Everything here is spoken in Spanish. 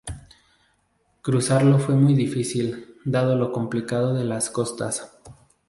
Cruzarlo fue muy difícil, dado lo complicado de las costas.